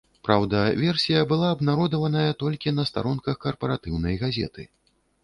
Праўда, версія была абнародаваная толькі на старонках карпаратыўнай газеты.